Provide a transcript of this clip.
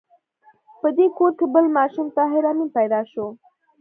په دې کور کې بل ماشوم طاهر آمین پیدا شو